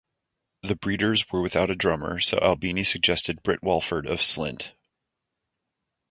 The Breeders were without a drummer, so Albini suggested Britt Walford of Slint.